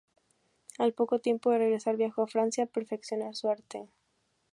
Al poco tiempo de regresar, viajó a Francia a perfeccionar su arte.